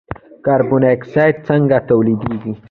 کاربن ډای اکساید څنګه تولیدیږي.